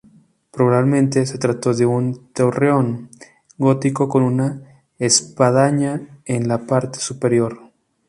Probablemente se trató de un torreón gótico con una espadaña en la parte superior.